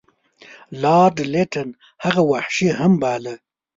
لارډ لیټن هغه وحشي هم باله.